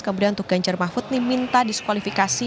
kemudian untuk ganjar mahfud ini minta diskualifikasi